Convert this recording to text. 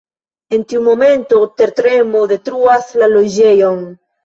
En tiu momento, tertremo detruas la loĝejon.